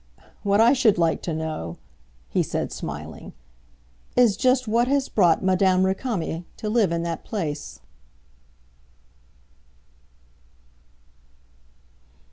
"What I should like to know," he said, smiling, "is just what has brought Madame Récamier to live in that place!"